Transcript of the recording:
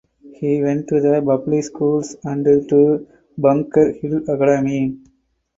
He went to the public schools and to Bunker Hill Academy.